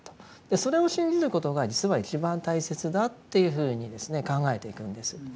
それを信じることが実は一番大切だというふうに考えていくんです。